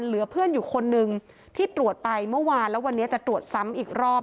เหลือเพื่อนอยู่คนนึงที่ตรวจไปเมื่อวานแล้ววันนี้จะตรวจซ้ำอีกรอบ